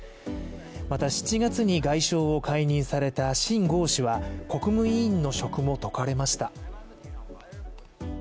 また７月に外相を解任された秦剛氏は国務委員の職も解かれました。